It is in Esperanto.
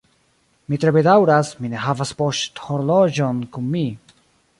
Mi tre bedaŭras, mi ne havas poŝhorloĝon kun mi.